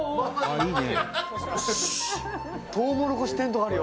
いいね。